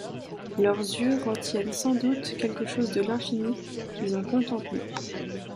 Leurs yeux retiennent sans doute quelque chose de l’infini qu’ils ont contemplé.